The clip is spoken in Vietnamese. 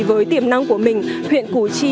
với tiềm năng của mình huyện củ chi